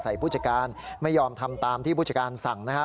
ผู้จัดการไม่ยอมทำตามที่ผู้จัดการสั่งนะครับ